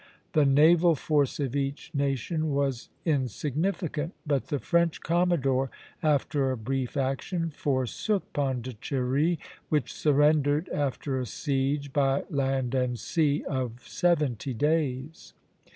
The naval force of each nation was insignificant; but the French commodore, after a brief action, forsook Pondicherry, which surrendered after a siege by land and sea of seventy days.